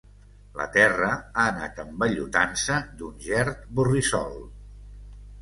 La terra ha anat envellutant-se d'un gerd borrissol.